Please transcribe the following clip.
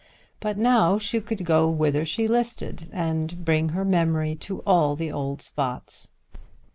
But now she could go whither she listed and bring her memory to all the old spots.